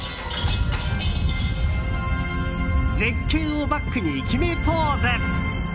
絶景をバックに決めポーズ！